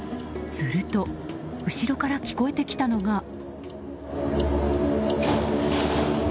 すると後ろから聞こえてきたのが。